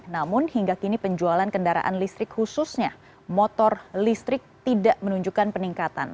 namun hingga kini penjualan kendaraan listrik khususnya motor listrik tidak menunjukkan peningkatan